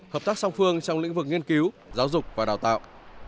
hợp tác song phương trong lĩnh vực nghiên cứu giáo dục và đào tạo